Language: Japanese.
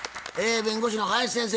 弁護士の林先生